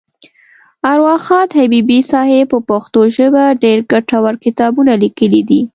اروا ښاد حبیبي صاحب په پښتو ژبه ډېر ګټور کتابونه لیکلي دي.